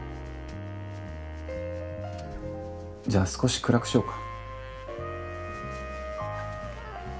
じゃあ少し暗くしようか。